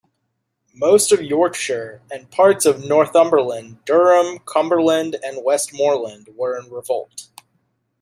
Most of Yorkshire, and parts of Northumberland, Durham, Cumberland and Westmorland were in revolt.